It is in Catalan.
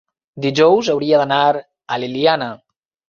Dijous hauria d'anar a l'Eliana.